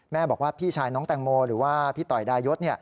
บอกว่าพี่ชายน้องแตงโมหรือว่าพี่ต่อยดายศ